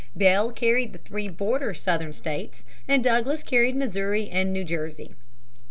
Bell carried the three "border" Southern states and Douglas carried Missouri and New Jersey.